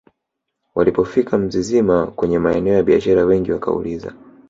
walipofika Mzizima kwenye maeneo ya biashara wengi wakauliza